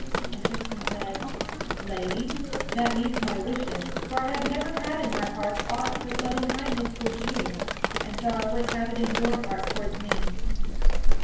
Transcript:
And Tristram said: "Lady, that meets my wishes, for I have never had in my heart aught but loving kindness toward you, and so I would have it in your heart toward me."